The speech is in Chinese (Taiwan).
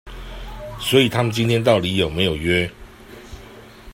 所以他們今天到底有沒有約